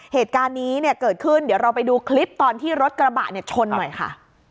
เหตุการณ์นี้เนี่ยเกิดขึ้นเดี๋ยวเราไปดูคลิปตอนที่รถกระบะเนี่ยชนหน่อยค่ะ